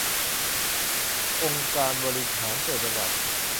องค์การบริหารส่วนจังหวัด